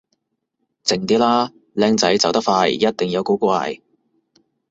靜啲啦，僆仔走得快一定有古怪